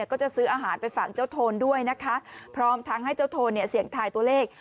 ก็จะซื้ออาหารไปฝากเจ้าโทนด้วยนะคะพร้อมทั้งให้เจ้าโทนเนี่ยเสี่ยงทายตัวเลข